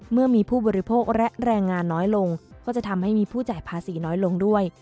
เมื่อมีผู้บริโภคและแรงงานน้อยลงก็จะทำให้มีผู้จ่ายภาษีน้อยลงด้วย